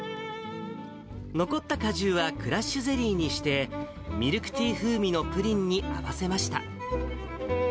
残った果汁はクラッシュゼリーにして、ミルクティー風味のプリンに合わせました。